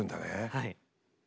はい。